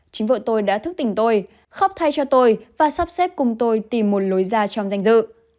chính vợ tôi đã thức tỉnh tôi khóc thay cho tôi và sắp xếp cùng tôi tìm một lối ra trong danh dự